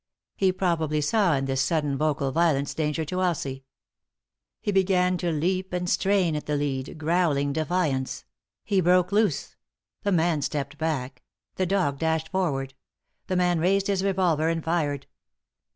He probably saw in this sudden vocal violence danger to Elsie. He began to leap and strain at the lead, growling defiance. He broke loose. The man stepped back. The dog dashed forward. The man raised his revolver and fired.